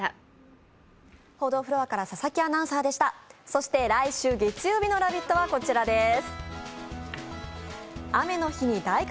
そして来週月曜日の「ラヴィット！」はこちらです。